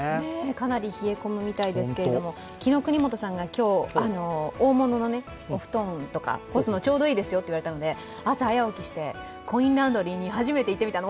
かなり冷え込むみたいですけど、昨日、國本さんが今日、大物のお布団とか干すのにちょうどいいですよと言われたので朝早起きしてコインランドリーに初めて行ってみたの。